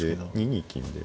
２二金で。